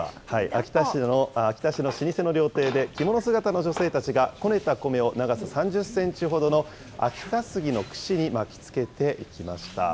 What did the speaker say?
秋田市の老舗の料亭で、着物姿の女性たちが、こねた米を長さ３０センチほどの秋田杉の串に巻きつけていきました。